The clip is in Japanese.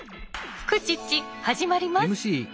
「フクチッチ」始まります！